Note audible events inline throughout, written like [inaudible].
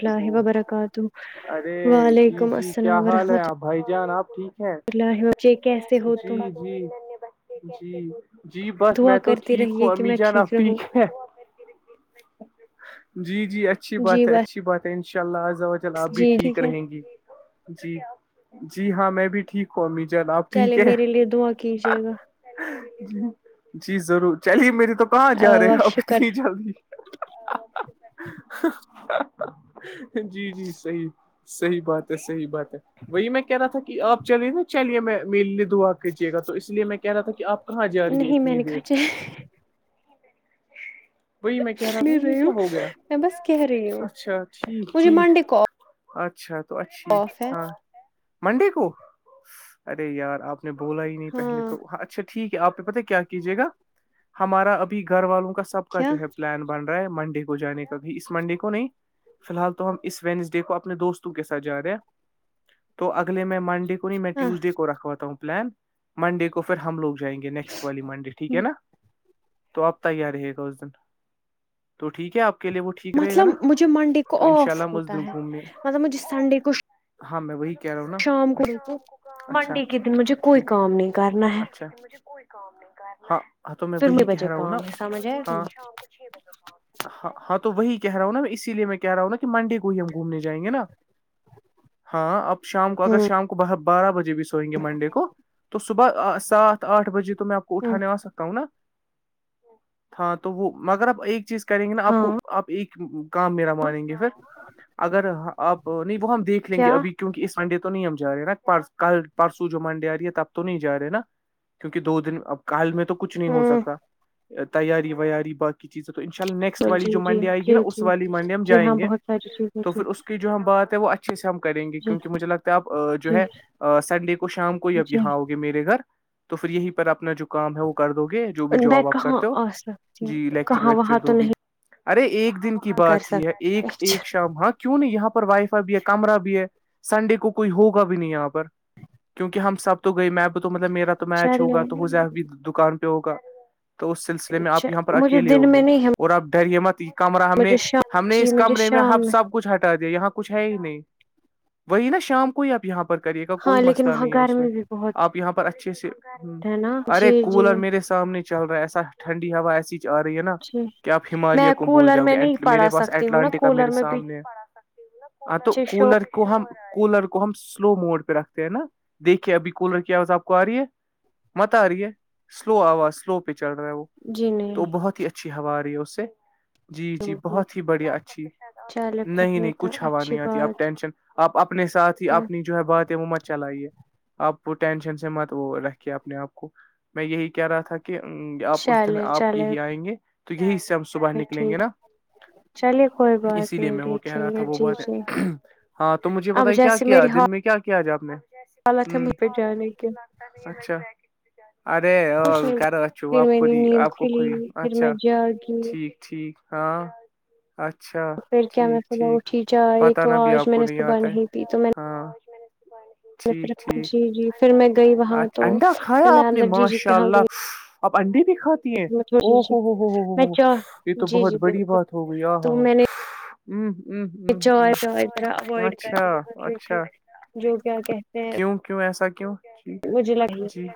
اللہ وبرکاتہ ارے جی وعلیکم جی کیا السلام حال ہے آپ بھائی جان آپ ٹھیک ہیں ال بے کیسے ہو جی تم [inaudible] جی دنیہ باد جی [inaudible] جی بس دعا میں تو کرتی ٹھیک رہیے ہوں کہ امی میں جان اب رہوں ٹھیک ہے جی جی اچھی جی بات ہے اچھی بات ہے ان شاء اللہ آل بس آپ بھی جی ٹھیک ہے رہیں گی جی جی ہاں میں بھی ٹھیک ہا مج آپ چلے ٹھیک ہے میرے لیے دعا کیجیے جی جی ضرور چلیے میری تو کہاں جا گا رہے آپ شکر اتنی جلدی [inaudible] جی جی صحی صحی بات ہے صحی بات [inaudible] وہی میں کہہ رہا تھا کہ آپ چلے نا چلیے میں میلنے دھوا کیجیے گا تو اس لیے میں کہہ رہا تھا کہ آپ کہاں جا رہی ہے نہیں میں اتنی نے دیر کہا چل وہی میں کہہ رہا تھا نہیں یہ رہی کیا ہوں ہو گیا میں بس کہہ رہی ہوں اچھا ٹھیک مجھے ٹھیک منڈے کال اچھا تو اچھی ہاں منڈے کو ارے یار آپ بولا ہی نہیں پہلے ہاں تو اچھا ٹھیک ہے آپ پتہ کیا کیجیے گا ہمارا ابھی گھر والوں کا سب کا کیا جو ہے پلان بن رہا ہے منڈے کو جانے کا ائی اس منڈے کو نہیں فی الحال تو ہم اس وینسڈے کو اپنے دوستوں کے ساتھ جا رہے ہیں تو اگلے میں منڈے کو نہیں میں ہاں ٹیوزڈے کو رکھواتا ہوں پلان منڈے کو پھر ہم لوگ جائیں گے نیکسٹ والی منڈے ٹھیک ہے نا تو آپ تیار رہے گا اس دن تو ٹھیک ہے آپ کے لیے وہ ٹھیک رہے گا نا مطلب مجھے منڈے کو تو ان شاء آف اللہ ہم اس ہوتا دن ہے گھومنے مطلب مجھے سنڈے کو ہاں میں وہی کہہ رہا ہوں شام کو رکو نا اچھا منڈے کے دن مجھے کوئی کام نہیں کرنا ہے کوئی کام نہیں کر ہاں ہاں تو میں پھر میرے وہی کہہ بجے رہا ہوں کام ہے ناٹی سمجھ آیا ہاں تمہیں شام کو چھ بجے ہاں تو وہی کہہ رہا ہوں نا اس لیے میں کہ رہا ہوں نا کہ منڈ میں ہی ہم گھومنے جائیں گے نا ہاں اب شام کو اگر شام کو باہر بارہ بجے بھی سوئیں گے منڈے کو تو صبح سات آٹھ بجے کو میں آپ کو ہوں۔ اٹھانے آ سکتا ہوں نا ہاں تو وہ مگر آپ ایک چیز کریں گے نا آپ ہاں آپ ایک کام میرا مانیں گے پھر اگر آپ نہیں وہ ہم دیکھ لیں گے کیا ابھی کیونکہ اس منڈے تو نہیں ہم ج رہے نا پر کل پرسو جو منڈے آ رہی ہے تب تو نہیں جا رہے نا کیونکہ دو دن اب کل میں کچھ نہیں ہو ہ سکتا تیاری ویاری باقی چیزیں تو ان شاء اللہ نیکسٹ والی جی جو جی منڈی آئے جی گی نا جی اس والی منڈی ہم جی ہاں جائیں گے بہت ساری چیزیں تو جی پھر اس کی جو ہم بات ہے وہ اچ اچھے سے ہم کریں گے کیونکہ مجھے لگتا ہے ا جو جی جی ہے سنڈے کو شام کو اب جی یہاں ہوگ میرے گھر تو پھر یہی پر اپنا جو کام ہے وہ کر دو گے جو بھی میں جاب آپ کہاں کرتے ہو آ سکتی جی ہوں لیکچر کہاں وہاں ویکچر تو دو بھی نہیں ارے ایک دن کی کر بات یہ ہے ایک سکتی ایک شام حق کیوں نہیں یہاں پر وائی فائی بھی ہے کمرہ بھی ہے سنڈے کو کوئی ہوگا بھی نہیں یہاں پر کیونکہ ہم سب تو گئے میں بھی تو مطلب میرا تو میچ چلے ہوگا تو ہو زی دکان پہ ہوگا تو اس سلسلے میں آپ یہاں پر مجھے اکیلے دن ہو گے میں نہیں ہے اور آپ ڈرمت کمرہ ہم نے مجھے شام ہم نے جی اس مجھے کمرے میں شام ہمب سب کچھ ہٹا دیا یہاں کچھ ہے ہی نہیں وہی نا شام کو ہی آپ یہاں پر کرے کا کوئی ہاں لیکن مسئلہ وہاں نہیں ہے اس میں گرمی بھی بہت آپ یہاں پر اچھے سے ہ ہے نا ارے جی جی کولر میرے سامنے چل رہا ایسا ٹنڈی ہوا ایسی ہی آ رہی ہے نا جی کہ آپ میں ہمالیہ کو بھول کولر جاؤ میں گے نہیں پڑھا میرے پاس سکتی ہوں نا اٹلانٹکا کولر میرے میں سامنے آ تو پیچھے شو کولر کو ہم کولر کو ہم سلو موڈ پہ رکھتے ہیں نا دیکھیے ابھی کولر کیا ہوزپ کو آ رہی ہے مت آ رہی ہے سلو آواز سلو پہ چل رہا ہے وہ جی تو نہیں بہت ہی اچھی ہوا آ رہی ہے اس سے جی جی ہوگی بہت ہی بڑھیا اچھی چلے پھر نہیں یہ نہیں تو کچھ ہوا اچھی نہیں آتی آپ بات ٹینشن آپ اپنے ساتھ ہی اپنی جو ہے بات ہے وہ مت چلائی ہے آپ ٹینشن سے مت وہ رکھے اپنے آپ کو میں یہی کہہ رہا تھا کہ کہ آپ اس دن چلے آپ چلے یہی آئیں گے تو یہی سے ہم صبح پھر نکلیں ٹھیک گے نا چلیے کوئی بات اسی لیے نہیں میں وہ کہہ دیکھیں رہا گے تھا وہ جی بات جی ہاں تو مجھے اب پت کیا جیسے کیا میری دن میں کیا کیا کیا جاب میں حالت ہے مجھ ہ پہ جانے کی اچھا ارے ا کچھ نہیں گ او آپی آپ کوکی اچھا کیا کیی ٹیک ٹھیک ہاں اچھا پھر کیا میں ٹھیک صبح ٹھیک اٹھی چائے پت تو نا بھی آج آپ میں کو نے نہیں صبح آتا ہے پی تو میں ہاں نے ٹھیک صرف ٹھیک جی جی پھر میں گئی وہاں اچھا تو انڈا پھر کھایا میں آپ نے اندر جی جی کے ماشاء یہاں اللہ اپ انڈے بھی کھاتی ہیں گئی جی او جی ہوو ہو ہو ہو میں ہو چا یہ تو جی بہت جی بڑی بالکل بات ہو گئی آ ہ تو میں نے ہ ہ ہ چائے چائے ذرا ہ اوائڈ اچھا کر رہی ہوں کیونکہ اچھا جو کیا کہتے ہیں کیوں کیوں ایسا کیوں مجھے لگ ج جی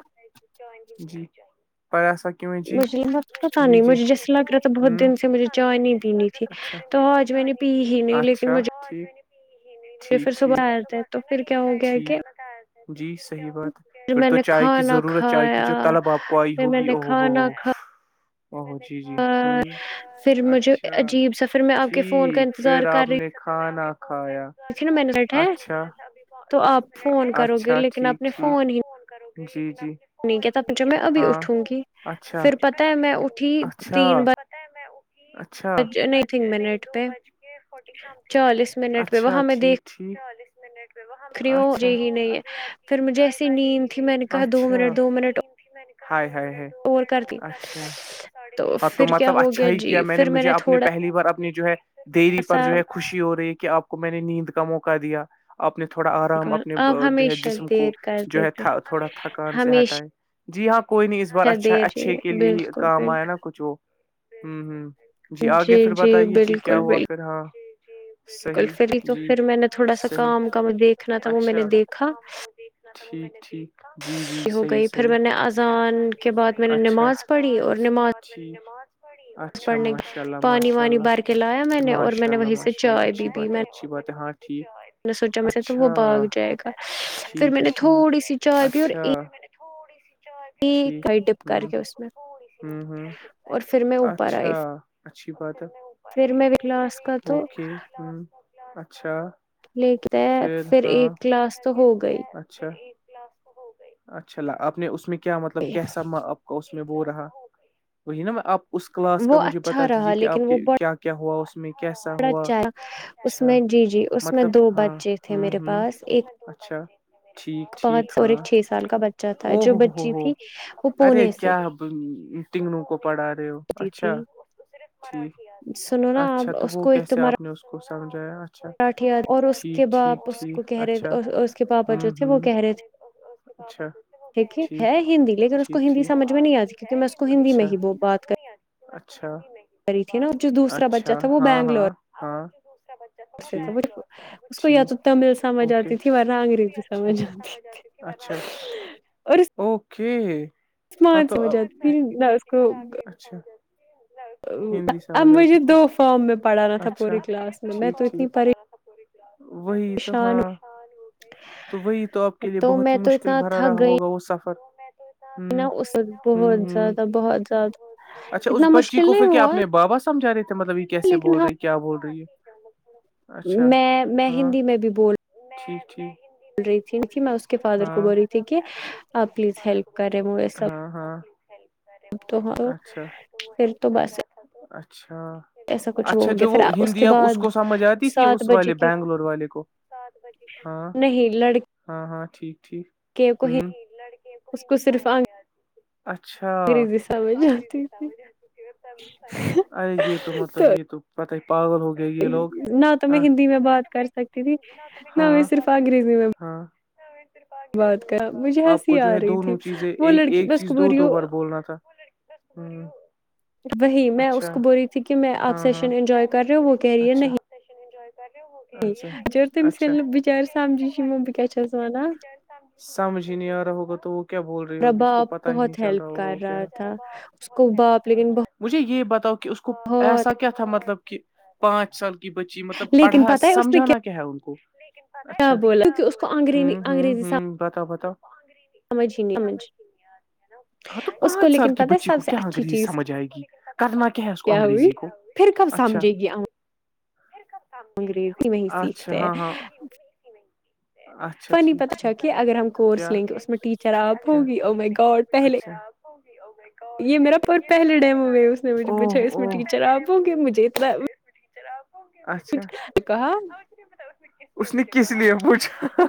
جی پر ایسا کیوں ہے جی مجھے بقت پتا نہیں مجھے جیسے لگ رہا تھا بہت دن سے مجھے چائے نہیں پینی تھی تو آج میں نے پی ہی تو نہیں آج لیکن مجھے ج پھر صبح آئےتے تو پھر کیا ہو گیا ہے کہ پھر میں نے کیا جی کی کھانا ضرورت چائے کی کھایا جو طلب پھر میں نے کھانا کھا ج ا جی جی ہ مجھے اچھا عجیب سا پھر میں آپ کے فون کا ٹھیک پھر انتظار آپ نے کھاا کھایا دیکھیے نا میں نے بیٹ ہے تو آپ فون کرو گے لیکن آپ نے فون ہی نہیں جی جی نہیں کہتاھ میں ابھی اٹھوں گی پھر پتہ ہے میں اٹھی تین اچھاچ اچھ تین نہیں بج تھنک نہیں منٹ دو پہ بج کے فورٹی سنگ چالیس مٹ میں منٹ پہ اچھا وہاں میں دیکھ ٹھیک چالیس منٹ میں وہاں دیکھ میں رہی مجھے دیکتی ہی ہوں نہیں ہے ابھی آپ کی پھر مجھے چائ ایسی بجے نیند تھی میں نے کہا دو منٹ دو منٹ ہ ہ ہے اور کر دی تو پھر کیا ہو گیا جی پھر میں نے تھوڑا پہلی بار اپنی جو ہے دیری پر سا جو ہے خوشی ہو رہی ہے کہ آپ کو میں نے نیند کا موقع دیا اپنے تھوڑا آرام اپنے آپ جو ہے ہمیشہ جسم دیر کو کر جو ہے دیتے تھوڑا تھکان سے ہٹائے ہمیشہ جی ہاں کوئی نہیں اس بار اچھا دیر جی اچھے کے لیے ہی بالکل کام آیا بالکل نا کچھ وہ ہ ہ جی آگے پھر بتائیے جی کیا ہوا پھر ہاں بالکل صحیح فری تو جی پھر میں نے تھوڑا سا صحیح کام کام دیکھنا تھا وہ میں نے اچھا دیکھا ٹھیک ٹھیک جی جی ہو صحیح گئی پھر میں نے اذان کے بعد میں صحیح نے نماز پڑھی اور نماز مت پاڑ اچھا پڑھنے ماشاء اللہ پانی ماشاء وانی اللہ بھر کے لایا جی میں نے اور میں ماشاء نے اللہ وہیں سے ماشاء اللہ چائے اچھی بھی پی بات میں اچھی بات ہے ہاں ٹھیک سوچا میں سے تو وہ اچھا باگ جائے گا پھر ٹھیک میں نے تھوڑی سی چائے بھی اور تھوڑی سی ج کئی ڈب کر کے اس میں ہ ہ اور پھر میں اوپر اچھا آئی اچھی بات ہے پھر میں ولاس کا تو ہوں اچھا ل کہتا ہے پھر ایک کلاس تو ہو گئی اچھا اچھا آپ نے اس میں کیا مطلب کیسا کا اس میں بو رہا وہی نا آپ اس کلاس کا وہ مجھے بتا اچھا رہا دیجیے کہ آپ کے کیا کیا ہوا اس میں کیسا ہوا ا اس اچھا میں جی جی اس میں مطلب دو ہاں بچے تھے ہوں میرے ہوں پاس ایک اچھا ٹھیک ٹھیک پانچ اور ہاں ایک چھ سال کا بچہ تھا او جو ہو ہو بچی ہو تھی وہ ارے پونے سے کیا تگنو کو پڑھا رہے ہو ہوتی تھی اچھایک سنو نا اچھا آپ تو اس وہ کیسے آپ نے اس کو سمجھایا اچھ پراٹھیاد اور اس کے باپ اس کو کہہ اچھا رہے اس کے پاپا جو ہوں تھے وہ ہوں کہہ رہے تھے اچھا ٹھیک ہے ہندی لیکن اس کو ہندی سمج میں نہیں آتی میں اس کو ہندی میں ہی وہ بات کر اچھا کری تھی نا جو دوسرا بچہ تھا وہ بنگلور ہاں جے اس کو یا تو تمل سمجھ آتی تھی ہ انگریزی سمجھ آتی تھی اچھا اور اوکے ہاں تو پھر اس کو اچھا اب مجھے دو فارم میں پڑھانا تھا پورے کلاس میں میں تو اتنی پ وہی تو ہاں تو وہی تو آپ ہوں کے لیے تو بہت ہی میں تو مشکل اتنا بھرا رہا ہوگا وہ سفر نہ اس و بہت زیادہ بہت زیادہ اچھا اس اتنا بچی مشکل کو نہیں پھر کیا ہوا اپنے بابا سمجا رہے تھے مطلب یہ کیس لیکن بول ہاں رہی کیا بول رہی ہے اچھا میں میں ہاں ہندی میں بھی بول ٹھیک ٹھیک بول رہی تھی میں اس کے فادر کو بول رہی تھی کہ آپ پلیز ہیلپ کر رہے مجھے سب ہاں ہاں تو ہ پھر تو بس اچھا ایسا کچھ ہو اچھا گیا جو وہ پھر کے ہندی اب اس بعد کو سمجھ آتی تھی سات اس بجے والے کی بنگلور والے کو ہاں نہیں لڑکی ہاں ہاں ٹھیک ٹھیک لڑکے اس کومج کو صرف اچھا انگریزی سمجھ آتی تھی ارے یہی تو مطلب یہی تو پت ہی پاگل ہوگ نہ تو میں ہندی میں بات کر سکتی تھی نہ میں صرف انگریزی میں ہاں بات کر مجھے آپ ہنسی کو آ جو ہے رہی تھی دونوں چیزیں وہ لڑکی ایک بس چیز کو بول دو رہی دو بار ہوں بولنا تھا ہوں وہی میں اس کو بول رہی تھی کہ میں آپ سیشن انجوائے کر رہے ہو وہ کیریئر نہیں سیشن انجوائے کر رہے ہوگ جب تمس یل ن بچارر سمجھش مو ب کی چس ونان سمجھ ہی نہیں آ رہا ہوگا تو وہ کیا بول رہی ہوگی اس کو رباب پتا ہی نہیں بہت چل رہا ہیلپ ہوگا کر وہ کیا رہا تھا اس کو باپ لیکن بہت مجھے یہ بتاؤ کہ اس کو ایسا کیا تھا مطلب کہ پانچ سال کہ بچی مطلب لیکن پڑھا پتہ ہے اس نے سمجھانا کیا ہے ان کو کیا اچھا بولا کیکہ اس کوری انگریزی س پتا پتا سمجھ ہی نہیں سمج ہاں اس کو لیکن پت ہے سب سے اچھی چیز کی جائے گی قدمہ کیا کو کیا ہوئی انگریزی کو ہوئی؟ پھر کب اچھا سمجھے گی آں انگریزی میں ہی سیکھتے ہیں اچا فنی پت چ کہ اگر ہم کورس لیں گے اس میں ٹیچر آپ ہوگی او میں گاڈ پہلے ہو جی ا ب یہ میرا پر پہے ڈیم ہو میں ہے اس نے تھا مجھے پوچھا اوہ اسس میں کیچر آابو گے مجھے اتنا اچھا کہا اس نے کس لیے پوچھا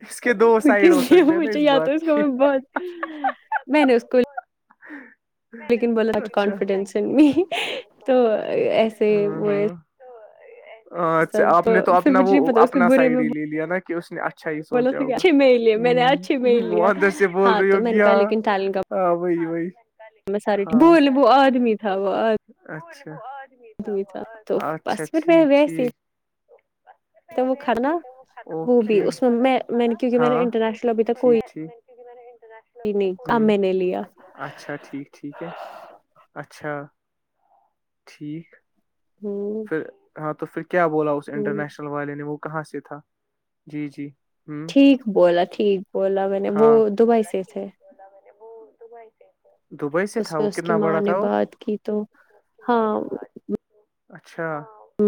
[inaudible] دو ک سائڈ ہو لیے سکتے ہیں نا مجھے یاد ہے بات اس کو میں بہت میں نے اس کو لیکن بلا آج کانفیڈینس نہیں تو ایسے وہ ہاں ہاں سب اچھا آپ نے تو پھر اپنا وہ مجھے نہیں پتا اس نے اپنا برے سائڈ میں ہی لے لیا نا کہ اس نے اچھا ہی بولا سوچا تھا کہ ہوگا اچھے میں ہی لیا میں نے اچھے میں ہی ہ لیا ادر سے بول ہاں رہی تو ہوگ میں نے کہا ہ ہاں وہی وہی ساری بولے وہ آدمی تھ تھا وہ تھا تو بس روپئے وس وہ بھی اس میں والا میں جو تھا میں نے کیونکہ میں نے نا وہ انٹرنیشنل بھی جرا ج نہیں آمے نے لیا اچھا ٹھیک ٹھیک ہے اچھا ٹھیک ہوں پھر ہاں تو پھر کیا بولا اس ہوں انٹرنیشنل والے نے وہ کہاں سے تھا جی جی ہوں ٹھیک بولا ٹھیک بولا میں نے وہ دبئی سے تھے بلا م نے ب دبئی سے تھ اس پر اس کی ماں نے بات کی تو ہاں اچھا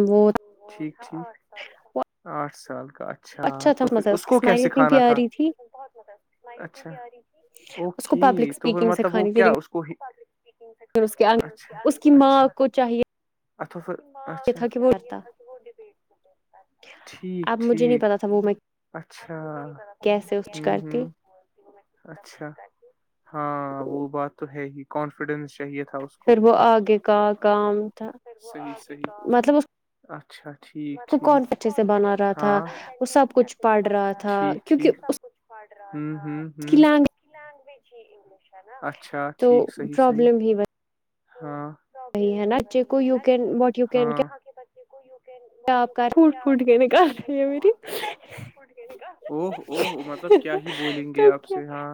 وہ ٹھیک ٹھیک آٹھ سال کا اچھا تھا تو پھر مزہ اس کی کو کیا اسمائل اتنی سکھانا تھا پیاری تھی اچھا اس اوک کو پبلک تو پھر اسپیکنگ مطلب وہ کیا اس کو پھر اس کے اس کی ماں کو چاہیے چا تھا کہ وہ کرتا اب مجھے نہیں پتا تھا وہ میں اچھا کیسے اس کرتی اچھا ہاں وہ بات تو ہے ہی کانفیڈینس چاہیے تھا اس کو پھر آگے کا کام تھا صحیح صیح مطلب اس اچھا ٹھیک کو ٹھیک کون اچھے سے بنا رہا تھا وہ سب کچھ پڑ رہا تھا کیونکہ اس ہوں کی ہ ہ لینگویج اچھا تو ٹھیک صحی صیح پرابلم ہی ہاں وہی ہے ناچے کو you can what you can کیا آپ ی کا پھوٹ کیا پھوٹ آپ کے کر نکال سکتے رہی ہے میری ہیںٹ او مطلب کیا ہی بولیں گے تو آپ کیا سے ہاں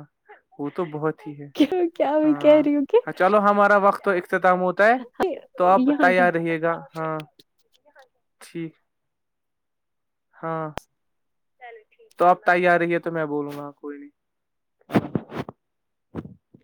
وہ تو بہت ٹھیک ہے کیا کیا میں ہاں کہہ رہی ہوں کہ ہاں چلو ہمارا وقت تو اختتام ہوتا ہے تو آپ یہاں کے رہے گا ہاں ٹھیک ہاں تو اب تائی آ رہی ہے تو میں بولوں گا کچھ